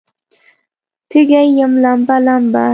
تږې یم لمبه، لمبه